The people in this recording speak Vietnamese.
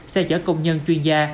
xe chở công nhân chuyên gia